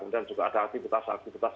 kemudian juga ada aktivitas aktivitas